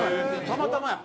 たまたまや。